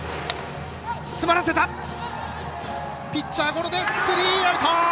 ピッチャーゴロでスリーアウト！